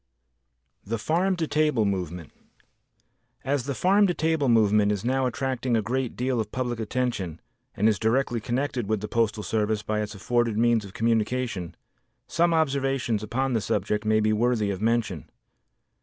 The Farm to Table Movement As the farm to table movement is now attracting a great deal of public attention and is directly connected with the postal service by its afforded means of communication, some observations upon the subject may be worthy of mention.